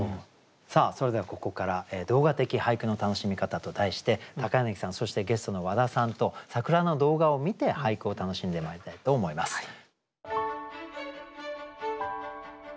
さあそれではここから「動画的俳句の楽しみ方」と題して柳さんそしてゲストの和田さんと桜の動画を観て俳句を楽しんでまいりたいと思います。